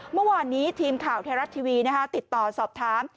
เมื่อวานนี้ทีมข่าวไทยรัฐทีวีติดต่อสอบถาม